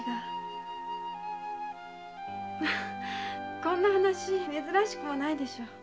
こんな話珍しくもないでしょう？